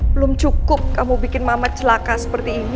belum cukup kamu bikin mamat celaka seperti ini